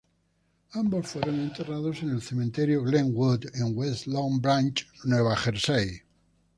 Ambos fueron enterrados en el Cementerio Glenwood en West Long Branch, Nueva Jersey.